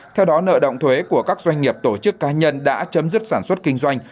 theo đó nợ động thuế của các doanh nghiệp tổ chức cá nhân đã chấm dứt sản xuất kinh doanh